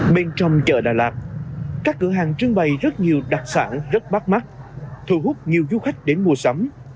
bên trong chợ đà lạt các cửa hàng trưng bày rất nhiều đặc sản rất bắt mắt thu hút nhiều du khách đến mua sắm